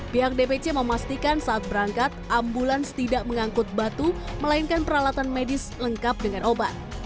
pihak dpc memastikan saat berangkat ambulans tidak mengangkut batu melainkan peralatan medis lengkap dengan obat